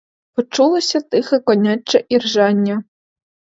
Почулося тихе коняче іржання.